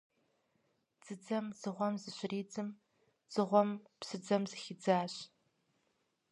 Дзыдзэм дзыгъуэм зыщридзым, дзыгъуэм псыдзэм зыхидзащ,.